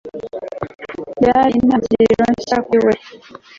byari intangiriro nshya kuri wewe